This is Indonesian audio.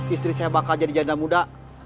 istri saya bakal jadi janda muda